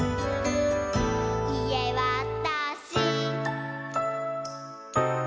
「いえわたし！」